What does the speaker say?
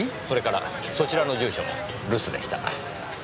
それからそちらの住所も留守でした。